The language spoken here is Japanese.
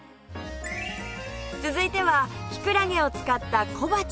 続いてはきくらげを使った小鉢